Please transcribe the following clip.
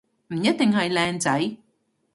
唔一定係靚仔